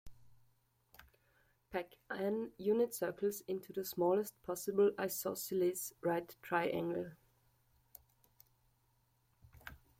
Pack "n" unit circles into the smallest possible isosceles right triangle.